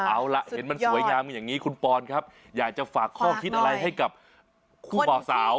เอาล่ะเห็นมันสวยงามอย่างนี้คุณปอนครับอยากจะฝากข้อคิดอะไรให้กับคู่บ่าวสาว